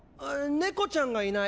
猫ちゃんがいない。